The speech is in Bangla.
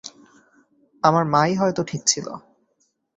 আমার মা ই হয়তো ঠিক ছিল!